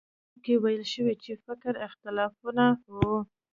په ځواب کې ویل شوي چې فکري اختلافونه وو.